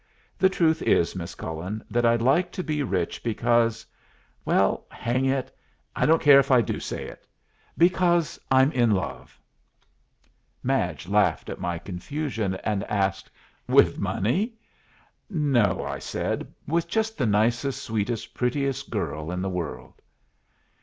"The truth is, Miss Cullen, that I'd like to be rich, because well, hang it, I don't care if I do say it because I'm in love." Madge laughed at my confusion, and asked, "With money?" "No," I said. "With just the nicest, sweetest, prettiest girl in the world."